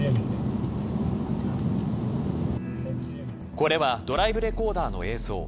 これはドライブレコーダーの映像。